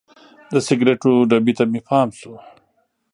د سګریټو ډبي ته مې پام شو.